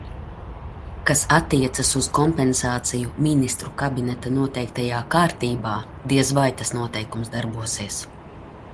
Kas attiecas uz kompensāciju Ministru kabineta noteiktajā kārtībā, diez vai tas noteikums darbosies.